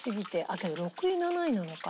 けど６位７位なのか。